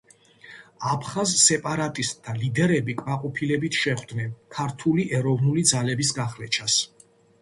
აფხაზ სეპარატისტთა ლიდერები კმაყოფილებით შეხვდნენ ქართული ეროვნული ძალების გახლეჩას.